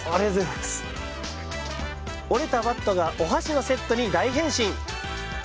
折れたバットがお箸のセットに大変身